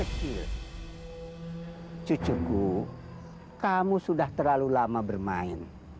cuku kamu sudah terlalu lama bermain